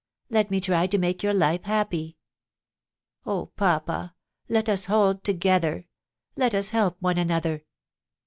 Let me try to make your life happy. Oh, papa ! let us hold together. Let us help one another.'